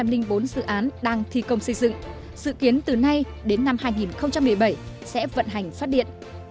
năm trăm linh bốn dự án đang thi công xây dựng dự kiến từ nay đến năm hai nghìn một mươi bảy sẽ vận hành phát điện